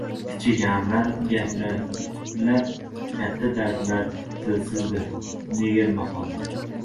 Kichik g‘amlar gapiradilar, katta dardlar tilsizdir. Niger maqoli